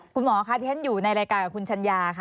คุณหมอค่ะที่ฉันอยู่ในรายการกับคุณชัญญาค่ะ